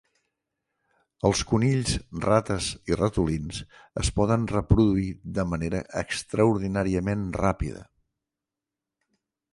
Els conills, rates i ratolins es poden reproduir de manera extraordinàriament ràpida.